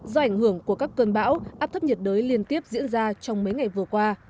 do ảnh hưởng của các cơn bão áp thấp nhiệt đới liên tiếp diễn ra trong mấy ngày vừa qua